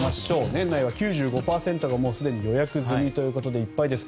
年内は９５％がすでに予約済みということでいっぱいです。